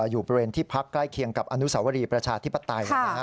อยู่บริเวณที่พักใกล้เคียงกับอนุสาวรีประชาธิปไตย